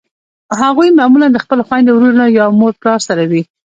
هغوی معمولأ د خپلو خویندو ورونو یا مور پلار سره وي.